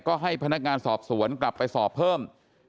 ก็ให้พนักงานสอบสวนกลับไปสอบเพิ่ม